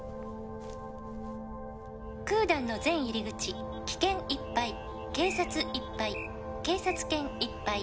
「クーダンの全入り口危険いっぱい」「警察いっぱい警察犬いっぱい」